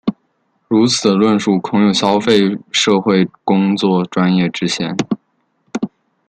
如此的论述恐有消费社会工作专业之嫌。